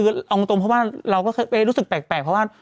คือเอาตรงเพราะว่าเราก็เคยรู้สึกแปลกเพราะว่า